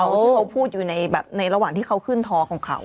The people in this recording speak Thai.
ที่เขาพูดอยู่ในแบบในระหว่างที่เขาขึ้นทอของเขา